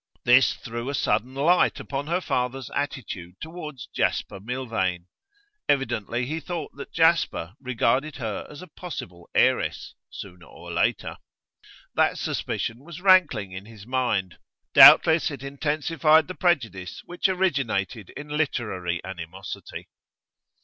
This threw a sudden light upon her father's attitude towards Jasper Milvain. Evidently he thought that Jasper regarded her as a possible heiress, sooner or later. That suspicion was rankling in his mind; doubtless it intensified the prejudice which originated in literary animosity.